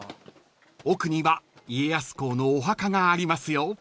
［奥には家康公のお墓がありますよ］